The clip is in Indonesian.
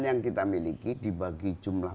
yang kita miliki dibagi jumlah